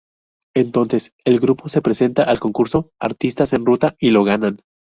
Entonces, el grupo se presenta al concurso "Artistas en ruta" y lo ganan.